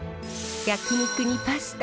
焼き肉にパスタ